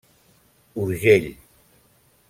Urgell.